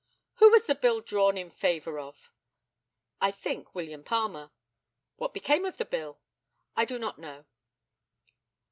Who was the bill drawn in favour of? I think William Palmer. What became of the bill? I do not know.